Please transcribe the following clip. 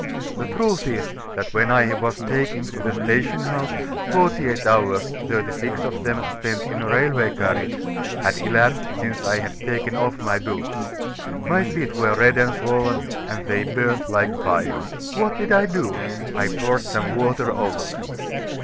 The truth is, that when I was taken to the station house, forty eight hours thirty six of them spent in a railway carriage had elapsed since I had taken off my boots. My feet were red and swollen, and they burned like fire. What did I do? I poured some water over them.